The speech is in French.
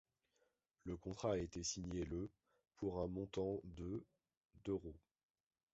Le contrat a été signé le pour un montant de d'euros.